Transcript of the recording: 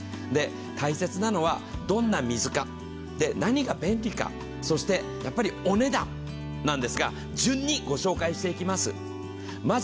大切なのはどんな水か何が便利か、そしてやっぱりお値段なんですが、順にご紹介していきます。